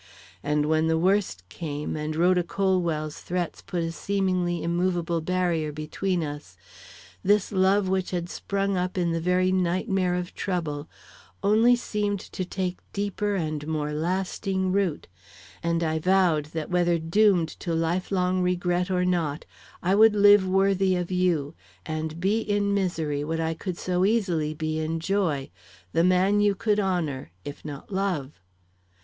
And when the worst came, and Rhoda Colwell's threats put a seemingly immovable barrier between us, this love which had sprung up in a very nightmare of trouble, only seemed to take deeper and more lasting root, and I vowed that whether doomed to lifelong regret or not, I would live worthy of you, and be in misery what I could so easily be in joy, the man you could honor, if not love.